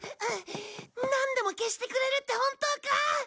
なんでも消してくれるって本当か？